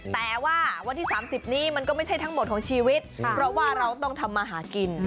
แต่ว่าวันที่๓๐นี้มันก็ไม่ใช่ทั้งหมดของชีวิตเพราะว่าเราต้องทำมาหากิน